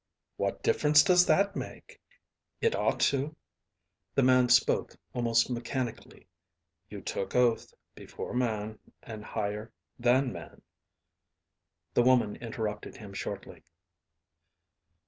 "What difference does that make?" "It ought to." The man spoke almost mechanically. "You took oath before man and higher than man " The woman interrupted him shortly.